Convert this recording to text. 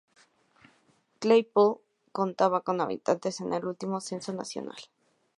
Claypole contaba con habitantes en el último censo nacional.